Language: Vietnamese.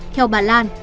theo bà lan